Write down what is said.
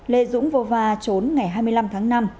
lê dũng vô va trốn ngày hai mươi năm tháng năm